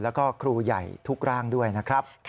แล้วก็ครูใหญ่ทุกร่างด้วยนะครับ